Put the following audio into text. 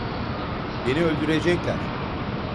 Beni öldürecekler!